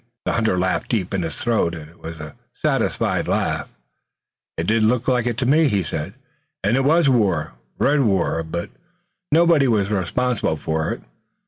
The hunter laughed deep in his throat, and it was a satisfied laugh. "It did look like it," he said, "and it was war, red war, but nobody was responsible for it.